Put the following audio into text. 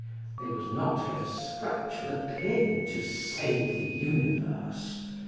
They would not get a scratch with a pin to save the universe.